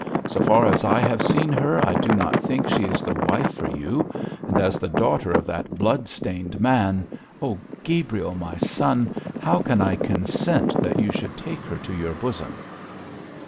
So far as I have seen her I do not think she is the wife for you; and as the daughter of that blood stained man oh, Gabriel, my son! how can I consent that you should take her to your bosom?'